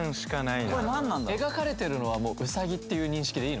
描かれてるのはもうウサギっていう認識でいいのかね？